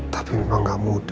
tapi memang gak mudah